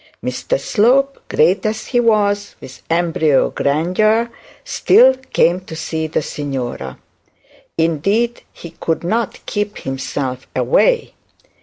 Mr Slope, great as he was with embryo grandeur, still came to see the signora. Indeed, he could not keep himself away.